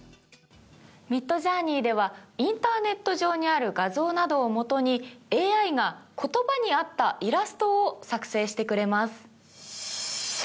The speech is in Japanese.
ミッドジャーニーではインターネット上にある画像などをもとにＡＩが言葉に合ったイラストを作成してくれます。